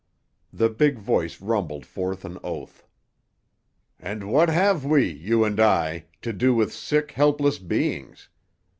The big voice rumbled forth an oath. "And what have we—you and I—to do with sick, helpless beings?